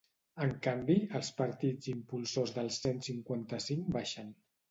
En canvi, els partits impulsors del cent cinquanta-cinc baixen.